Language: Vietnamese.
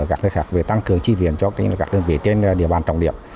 các đối tượng khác phải tăng cường chi viện cho các đối tượng trên địa bàn trọng điểm